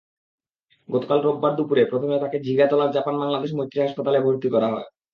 গতকাল রোববার দুপুরে প্রথমে তাঁকে ঝিগাতলার জাপান-বাংলাদেশ মৈত্রী হাসপাতালে ভর্তি করা হয়।